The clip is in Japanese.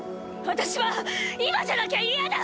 私は今じゃなきゃ嫌だ！！